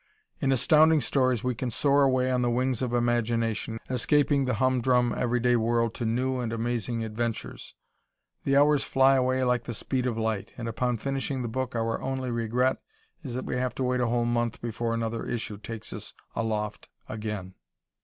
In Astounding Stories we can soar away on the wings of imagination, escaping the humdrum everyday world to new and amazing adventures. The hours fly away like the speed of light, and upon finishing the book our only regret is that we have to wait a whole month before another issue takes us aloft again.